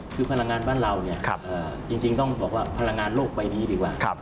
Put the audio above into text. คือพลังงานบ้านเราเนี่ยจริงต้องบอกว่าพลังงานโลกใบนี้ดีกว่า